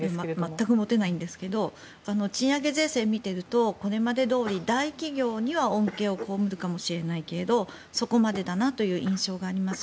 全く持てないんですけど賃上げ税制を見ているとこれまでどおり大企業は恩恵をこうむるかもしれないけどそこまでだなという印象があります。